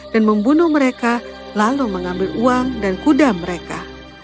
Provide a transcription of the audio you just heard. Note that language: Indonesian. dan membunuh mereka lalu mengambil uang dan kuda mereka